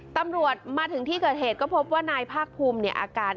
ตำรวจมาถึงที่เกิดเหตุก็พบว่านายภาคภูมิอาการ